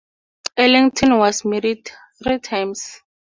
Eglinton was married three times.